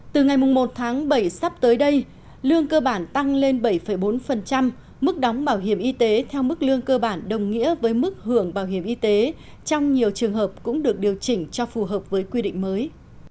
từ ngày một tháng bảy sắp tới đây lương cơ bản tăng lên bảy bốn mức đóng bảo hiểm y tế theo mức lương cơ bản đồng nghĩa với mức hưởng bảo hiểm y tế trong nhiều trường hợp cũng được điều chỉnh cho phù hợp với quy định mới